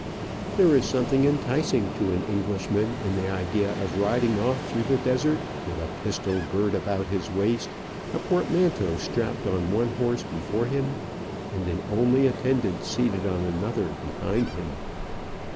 There is something enticing to an Englishman in the idea of riding off through the desert with a pistol girt about his waist, a portmanteau strapped on one horse before him, and an only attendant seated on another behind him.